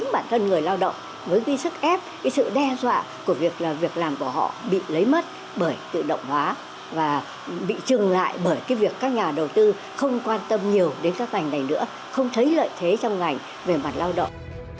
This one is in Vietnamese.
bởi việc các nhà đầu tư không quan tâm nhiều đến các bành này nữa không thấy lợi thế trong ngành về mặt lao động